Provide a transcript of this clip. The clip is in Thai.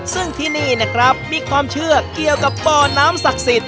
ซึ่งที่นี่นะครับมีความเชื่อเกี่ยวกับบ่อน้ำศักดิ์สิทธิ